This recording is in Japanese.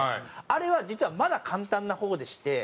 あれは実はまだ簡単な方でして。